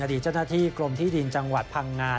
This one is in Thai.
ดีเจ้าหน้าที่กรมที่ดินจังหวัดพังงา